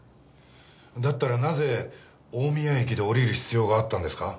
だったらなぜ大宮駅で降りる必要があったんですか？